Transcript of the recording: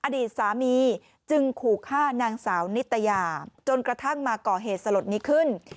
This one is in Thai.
อดีตสามีจึงขู่ฆ่านางสาวนิตยาจนกระทั่งมาก่อเหตุสลดนี้ขึ้น